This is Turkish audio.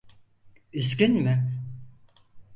Üzgün mü?